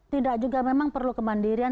tidak juga memang perlu kemandirian